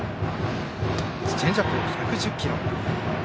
チェンジアップ１１０キロ。